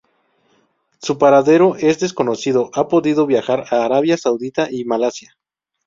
Su paradero es desconocido; ha podido viajar a Arabia Saudita y Malasia.